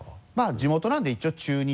地元なんで一応中日。